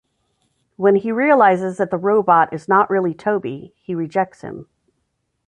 When he realizes that the robot is not really Toby, he rejects him.